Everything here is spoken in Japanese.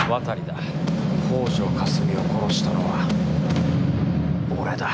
北條かすみを殺したのは俺だ。